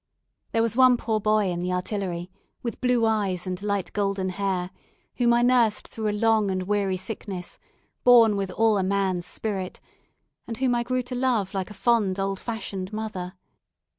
There was one poor boy in the Artillery, with blue eyes and light golden hair, whom I nursed through a long and weary sickness, borne with all a man's spirit, and whom I grew to love like a fond old fashioned mother.